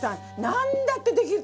なんだってできる！